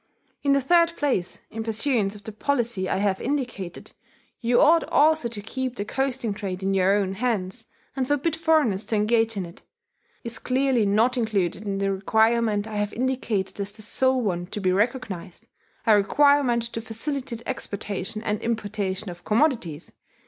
In the third place, in pursuance of the policy I have indicated, you ought also to keep the coasting trade in your own hands and forbid foreigners to engage in it. This coasting trade is clearly not included in the requirement I have indicated as the sole one to be recognized a requirement to facilitate exportation and importation of commodities.